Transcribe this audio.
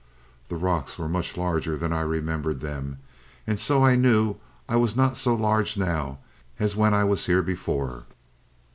The rocks were much larger than I remembered them, and so I knew I was not so large, now, as when I was here before.